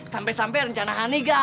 sampai sampai rencana aneh gak